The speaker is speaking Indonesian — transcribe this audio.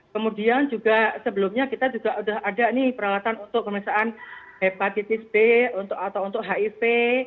kemudian juga sebelumnya kita juga sudah ada nih peralatan untuk pemeriksaan hepatitis b atau untuk hiv